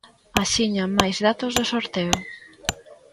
Axiña máis datos do sorteo.